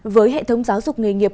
với hệ thống giáo dục nghề nghiệp